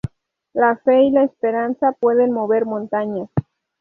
La fe y la esperanza pueden mover montañas.